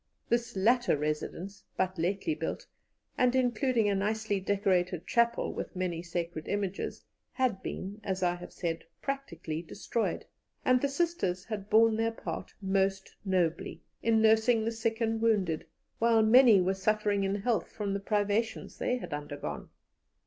This latter residence, but lately built, and including a nicely decorated chapel with many sacred images, had been, as I have said, practically destroyed; and the Sisters had borne their part most nobly, in nursing the sick and wounded, while many were suffering in health from the privations they had undergone.